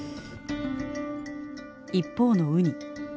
一方のウニ。